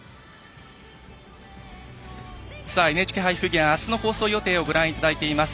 ＮＨＫ杯フィギュアあすの放送予定をご覧いただいています。